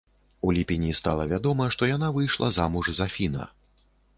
У ліпені стала вядома, што яна выйшла замуж за фіна.